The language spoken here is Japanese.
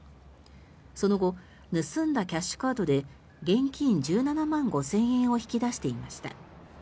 その後盗んだキャッシュカードで現金１７万５０００円を引き出していました。